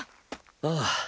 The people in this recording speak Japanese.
ああ。